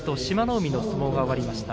海の相撲が終わりました。